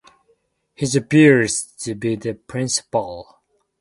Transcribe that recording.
He appears to be the principal.